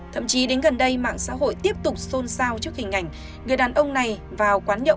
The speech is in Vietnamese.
thậm chí đến gần đây mạng xã hội tiếp tục xôn xao trước hình ảnh người đàn ông này vào quán nhậu